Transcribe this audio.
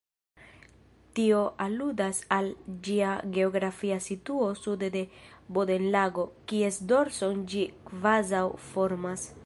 Tio aludas al ĝia geografia situo sude de Bodenlago, kies dorson ĝi kvazaŭ formas.